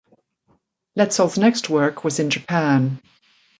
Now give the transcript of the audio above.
Letzel's next work was in Japan.